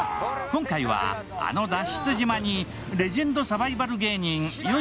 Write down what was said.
今回は、あの脱出島にレジェンドサバイバル芸人、よゐ